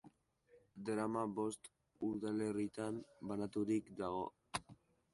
Drama bost udalerritan banaturik dago.